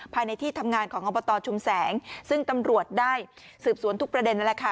ภายในที่ทำงานของอบตชุมแสงซึ่งตำรวจได้สืบสวนทุกประเด็นนั่นแหละค่ะ